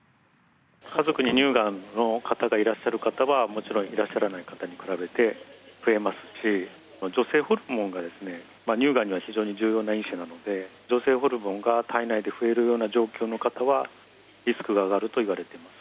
家族に乳がんの方がいらっしゃる方は、もちろんいらっしゃらない方に比べて増えますし、女性ホルモンがですね、乳がんには非常に重要な因子なので、女性ホルモンが体内で増えるような状況の方は、リスクが上がるといわれています。